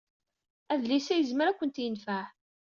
Adlis-a yezmer ad kent-yenfeɛ.